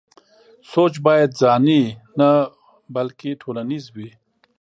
سوچ بايد ځاني نه بلکې ټولنيز وي.